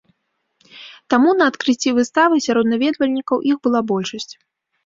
Таму на адкрыцці выставы сярод наведвальнікаў іх была большасць.